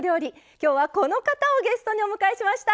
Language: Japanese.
今日はこの方をゲストにお迎えしました。